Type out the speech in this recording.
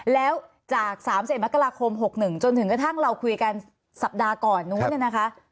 แล้วจาก๓เสร็จมกราคม๖๑จนถึงกระทั่งเราคุยกันสัปดาห์ก่อนนู้น